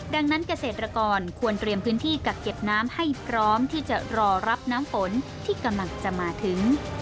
ดังนั้นเกษตรกรควรเตรียมพื้นที่กักเก็บน้ำให้พร้อมที่จะรอรับน้ำฝนที่กำลังจะมาถึง